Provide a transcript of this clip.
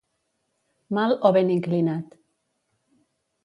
Mal o ben inclinat.